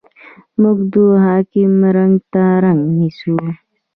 موږ د حاکم رنګ ته رنګ نیسو.